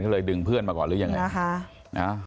ก็เลยดึงเพื่อนมาก่อนหรือยังไงนะคะ